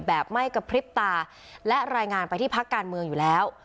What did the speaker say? แบบไม่กระพริบตาและรายงานไปที่พักการเมืองอยู่แล้ว